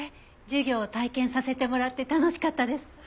授業を体験させてもらって楽しかったです。